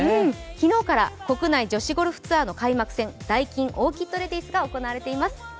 昨日から国内女子ゴルフツアーの開幕戦、ダイキンオーキッドレディスが行われています。